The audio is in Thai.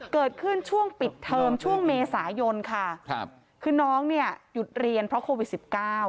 คือน้องเนี่ยหยุดเรียนเพราะโควิด๑๙